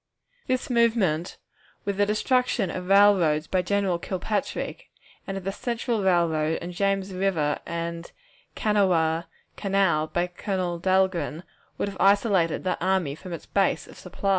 This movement, with the destruction of railroads by General Kilpatrick, and of the Central Railroad and the James River and Kanawha Canal by Colonel Dahlgren, would have isolated that army from its base of supplies.